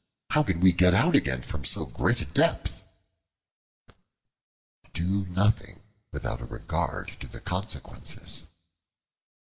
How can we get out again from so great a depth?" Do nothing without a regard to the consequences.